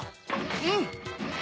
うん！